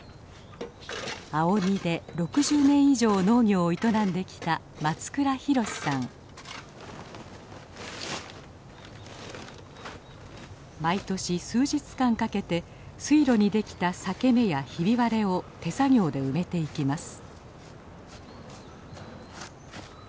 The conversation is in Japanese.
青鬼で６０年以上農業を営んできた毎年数日間かけて水路にできた裂け目やひび割れを手作業で埋めていきます。